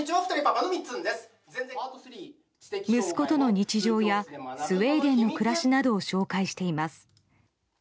息子との日常やスウェーデンの暮らしなどを紹介しています。